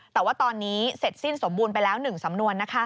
แต่ว่าตอนนี้เสร็จสิ้นสมบูรณ์ไปแล้ว๑สำนวน